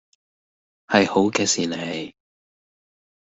係好嘅事嚟